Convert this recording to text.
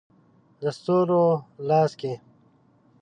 د ستورو لاس کې